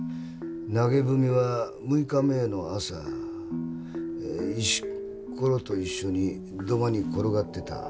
投げ文は６日前の朝石ころと一緒に土間に転がってた。